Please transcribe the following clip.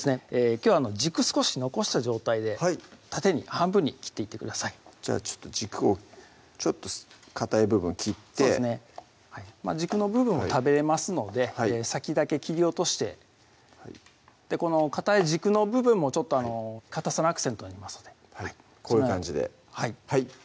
きょうは軸少し残した状態で縦に半分に切っていってくださいじゃあ軸をちょっとかたい部分切って軸の部分も食べれますので先だけ切り落としてこのかたい軸の部分もかたさのアクセントになりますのでこういう感じではい